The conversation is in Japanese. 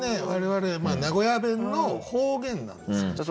我々名古屋弁の方言なんですね。